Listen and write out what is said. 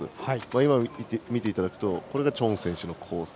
今見ていただくと右がチョン選手のコース